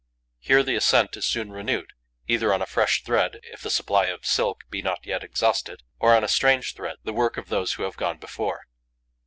Here, the ascent is soon renewed, either on a fresh thread, if the supply of silk be not yet exhausted, or on a strange thread, the work, of those who have gone before.